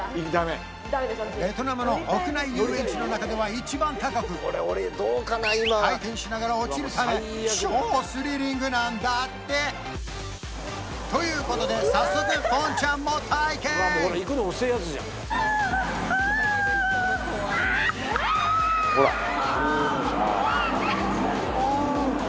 ベトナムの屋内遊園地の中では一番高く回転しながら落ちるため超スリリングなんだって！ということでうわもうほら行くの遅えやつじゃんキャー！